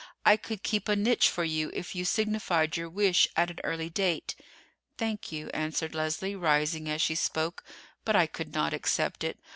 I could keep a niche for you if you signified your wish at an early date." "Thank you," answered Leslie, rising as she spoke, "but I could not accept it.